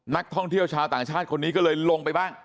นักท่องเที่ยวชาวต่างชาติคนนี้ก็เลยลงไปบ้าง